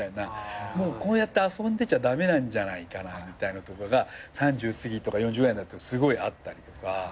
もうこうやって遊んでちゃ駄目なんじゃないかなとかが３０すぎとか４０ぐらいになるとすごいあったりとか。